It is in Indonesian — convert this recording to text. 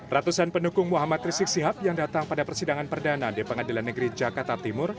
ratusan pendukung muhammad rizik sihab yang datang pada persidangan perdana di pengadilan negeri jakarta timur